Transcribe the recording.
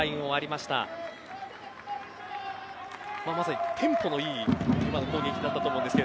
まさにテンポのいい攻撃だったと思いますが。